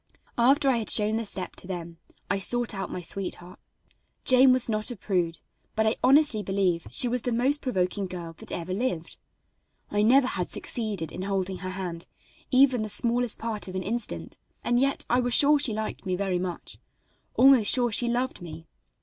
After I had shown the step to them I sought out my sweetheart. Jane was not a prude, but I honestly believe she was the most provoking girl that ever lived. I never had succeeded in holding her hand even the smallest part of an instant, and yet I was sure she liked me very much; almost sure she loved me.